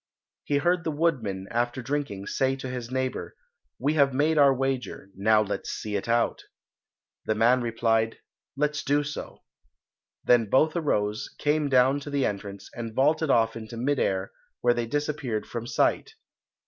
He heard the woodman, after drinking, say to his neighbour, "We have made our wager, now let's see it out." The man replied, "Let's do so." Then both arose, came down to the entrance, and vaulted off into mid air, where they disappeared from sight.